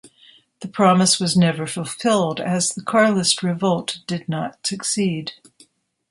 The promise was never fulfilled, as the Carlist revolt did not succeed.